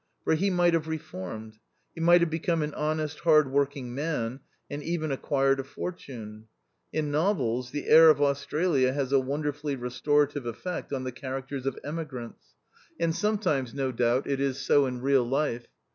For he might have re formed ; he might have become an honest, hard working man, and even acquired a fortune. In novels, the air of Australia has a wonderfully restorative effect on the characters of emigrants ; and sometimes, no THE OUTCAST. 181 doubt, it is so in real life.